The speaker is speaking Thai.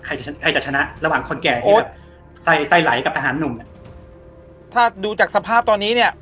ใครจะใครจะชนะระหว่างคนแก่โอ๊ตใส่ไซไหลกับทหารหนุ่มอ่ะถ้าดูจากสภาพตอนนี้เนี่ย